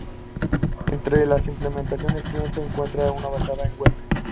Entre las implementaciones cliente se encuentra una basada en web.